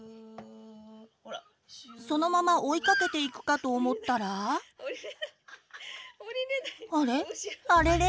そのまま追いかけていくかと思ったらあれあれれ？